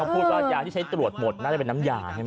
พูดว่ายาที่ใช้ตรวจหมดน่าจะเป็นน้ำยาใช่ไหม